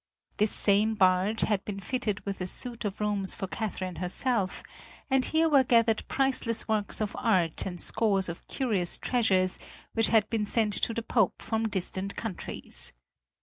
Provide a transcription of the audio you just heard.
This same barge had been fitted with a suite of rooms for Catherine herself, and here were gathered priceless works of art and scores of curious treasures which had been sent to the Pope from distant countries.